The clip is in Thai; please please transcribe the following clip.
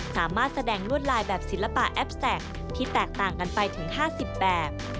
สามารถแสดงลวดลายแบบศิลปะแอฟแท็กที่แตกต่างกันไปถึง๕๐แบบ